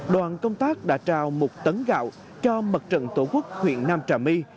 đoàn công tác đã trao một tấn gạo cho mặt trận tổ quốc huyện nam trà my